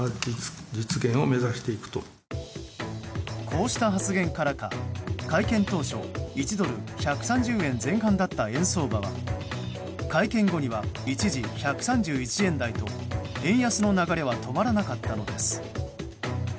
こうした発言からか会見当初１ドル＝１３０円前半だった円相場は会見後には一時１３１円台と円安の流れは止まらなかったのです。